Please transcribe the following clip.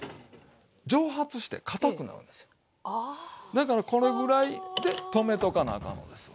だからこれぐらいで止めとかなあかんのですわ。